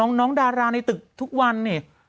โอ้โหดีนะดีแล้วพี่